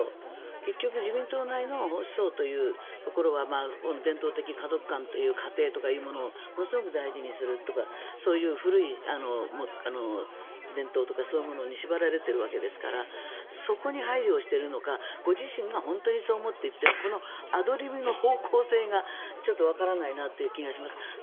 結局、自民党内の保守層というところは伝統的家族観とか家庭というものをものすごく大事にするとかそういう古い伝統とかそういうものに縛られているわけですからそこに配慮しているのがご自身が本当にそう思って言っているのかこのアドリブの方向性がちょっとわからないなという気がします。